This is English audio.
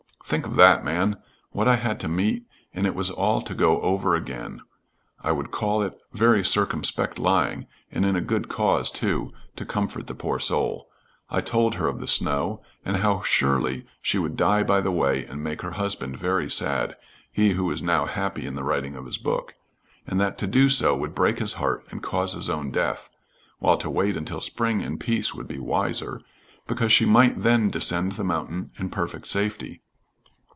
Think of that, man! What I had to meet, and it was all to go over again. I would call it very circumspect lying and in a good cause, too, to comfort the poor soul. I told her of the snow, and how surely she would die by the way and make her husband very sad, he who was now happy in the writing of his book, and that to do so would break his heart and cause his own death, while to wait until spring in peace would be wiser, because she might then descend the mountain in perfect safety.